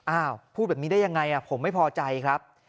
พูดแบบนี้ได้ยังไงผมไม่พอใจครับ